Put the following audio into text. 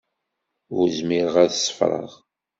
Ur zmireɣ ad ṣeffreɣ.